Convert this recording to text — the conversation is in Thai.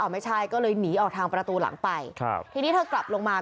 ไม่ใช่ก็เลยหนีออกทางประตูหลังไปครับทีนี้เธอกลับลงมา